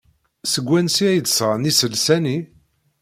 Seg wansi ay d-sɣan iselsa-nni?